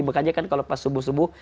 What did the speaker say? makanya kan kalau pas subuh subuh